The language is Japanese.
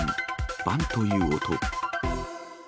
バンっという音。